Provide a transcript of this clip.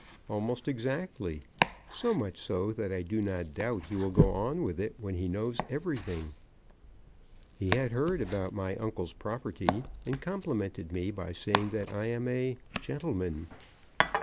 "Almost exactly; so much so that I do not doubt he will go on with it when he knows everything. He had heard about my uncle's property, and complimented me by saying that I am a, gentleman."